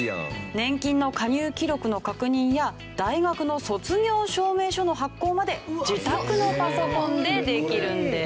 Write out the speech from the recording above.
年金の加入記録の確認や大学の卒業証明書の発行まで自宅のパソコンでできるんです。